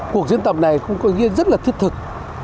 cuộc diễn tập này cũng có ý nghĩa rất là thiết thực